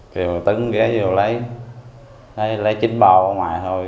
kiểu tứng ghé vô lấy lấy chín bao ở ngoài thôi